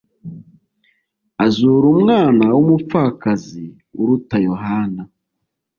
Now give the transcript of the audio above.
azura umwana w umupfakazi uruta yohana